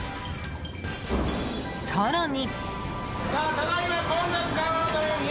更に。